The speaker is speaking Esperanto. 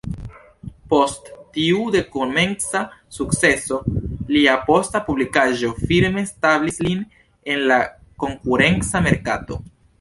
Post tiu dekomenca sukceso, lia posta publikaĵo firme establis lin en la konkurenca merkato.